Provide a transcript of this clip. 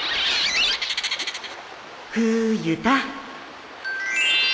ふゆた！